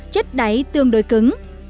chất đáy tương đối cứng